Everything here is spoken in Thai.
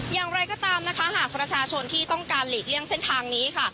อย่างไรก็ตามนะคะหากประชาชนที่ต้องการหลีกเลี่ยงเส้นทางนี้ค่ะ